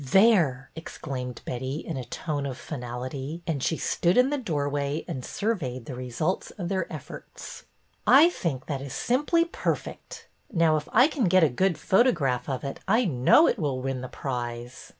There !" exclaimed Betty, in a tone of final ity, and she stood in the doorway and surveyed the results of their efforts. '' I think that is simply perfect. Now, if I can get a good photograph of it I know it will win the prize."